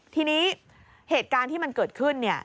ทีนี้เหตุการณ์ที่มันเกิดขึ้นเนี่ย